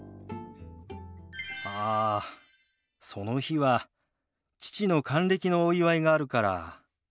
ああその日は父の還暦のお祝いがあるから無理だな。